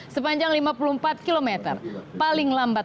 sepanjang lima puluh empat km paling lambat dua ribu delapan belas